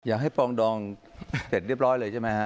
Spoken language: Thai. อยากให้พรองดองเต็ดเรียบร้อยเลยใช่มั้ยครับ